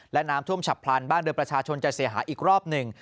และน้ำท่วมฉับพลันบ้านเรือประชาชนจะเสียหายอีกรอบหนึ่ง